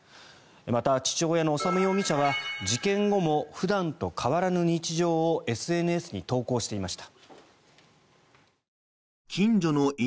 また、父親の修容疑者は事件後も普段と変わらぬ日常をＳＮＳに投稿していました。